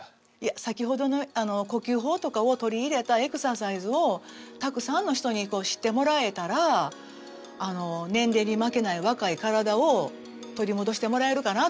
先ほどの呼吸法とかを取り入れたエクササイズをたくさんの人に知ってもらえたら年齢に負けない若い体を取り戻してもらえるかなと思って。